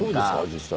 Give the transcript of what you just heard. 実際。